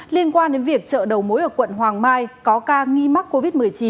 liên quan đến việc chợ đầu mối ở quận hoàng mai có ca nghi mắc covid một mươi chín